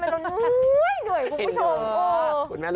เราทุกวันนี้ทำไมเราเหนื่อยคุณผู้ชม